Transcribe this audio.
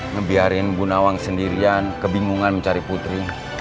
ngebiarin bu nawang sendirian kebingungan mencari putri